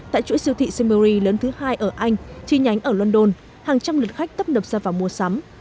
tại chuỗi siêu thị semery lớn thứ hai ở anh chi nhánh ở london hàng trăm lượt khách tấp nập ra vào mua sắm